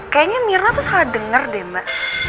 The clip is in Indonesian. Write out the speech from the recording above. kayaknya nirna salah denger deh mbak